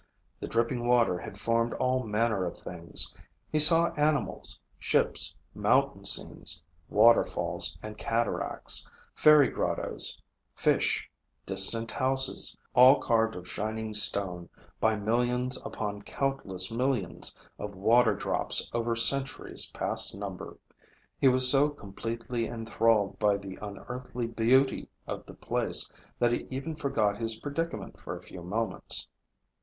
The dripping water had formed all manner of things. He saw animals, ships, mountain scenes, waterfalls, and cataracts, fairy grottoes, fish, distant houses ... all carved of shining stone by millions upon countless millions of water drops over centuries past number. He was so completely enthralled by the unearthly beauty of the place that he even forgot his predicament for a few moments.